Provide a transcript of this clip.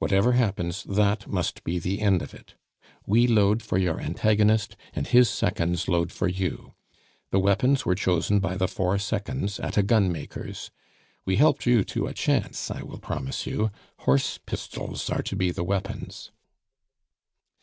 Whatever happens, that must be the end of it. We load for your antagonist, and his seconds load for you. The weapons were chosen by the four seconds at a gunmaker's. We helped you to a chance, I will promise you; horse pistols are to be the weapons."